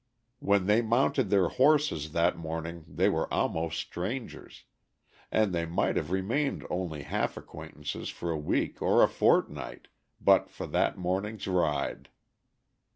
When they mounted their horses that morning they were almost strangers, and they might have remained only half acquaintances for a week or a fortnight but for that morning's ride.